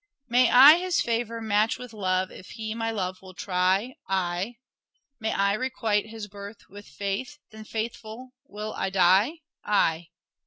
May I his favour match with love if he my love will try ?— Ay. May I requite his birth with faith ? Then faithful will I die ?— Ay.